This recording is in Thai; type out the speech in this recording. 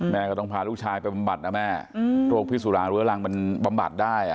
แม่ก็ต้องพาลูกชายไปบำบัดนะแม่โรคพิสุราเรื้อรังมันบำบัดได้